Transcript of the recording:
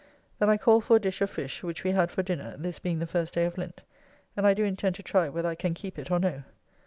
Then I called for a dish of fish, which we had for dinner, this being the first day of Lent; and I do intend to try whether I can keep it or no.